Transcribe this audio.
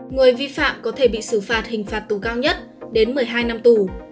người vi phạm có thể bị xử phạt hình phạt tù cao nhất đến một mươi hai năm tù